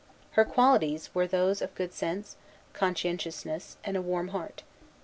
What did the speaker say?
Her qualities were those of good sense, conscientiousness, and a warm heart.